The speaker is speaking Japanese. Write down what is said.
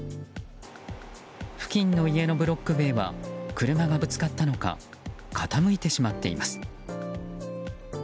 付近の家のブロック塀は車がぶつかったのか傾いてしまっています。